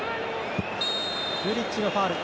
ルリッチのファウル。